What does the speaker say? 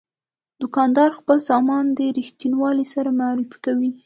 دوکاندار خپل سامان د رښتینولۍ سره معرفي کوي.